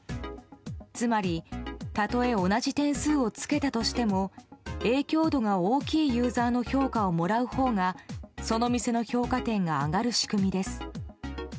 つまり、たとえ同じ点数をつけたとしても影響度が大きいユーザーの評価をもらうほうがその店の評価点が上がる仕組みです。